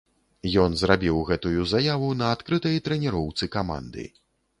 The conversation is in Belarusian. Ён зрабіў гэтую заяву на адкрытай трэніроўцы каманды.